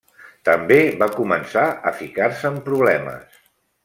També va començar a ficar-se en problemes.